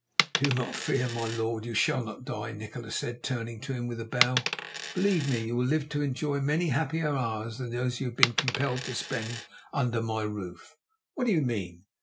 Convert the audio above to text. "Do not fear, my lord, you shall not die," Nikola said, turning to him with a bow. "Believe me, you will live to enjoy many happier hours than those you have been compelled to spend under my roof!" "What do you mean?"